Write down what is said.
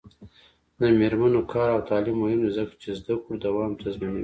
د میرمنو کار او تعلیم مهم دی ځکه چې زدکړو دوام تضمینوي.